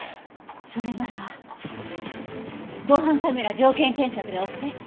それなら防犯カメラ条件検索で追って。